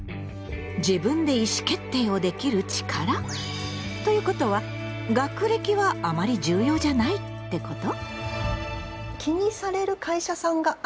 自分で意思決定をできる力？ということは「学歴」はあまり重要じゃないってこと？